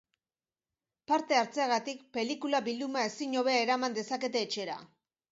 Parte hartzeagatik, pelikula bilduma ezin hobea eraman dezakete etxera.